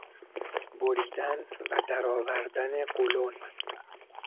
بریدن و درآوردن قولون